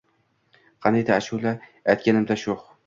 Qaniydi ashula aytganimcha sho‘x